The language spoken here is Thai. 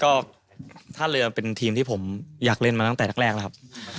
ก็ท่าเรือเป็นทีมที่ผมอยากเล่นมาตั้งแต่แรกแล้วครับ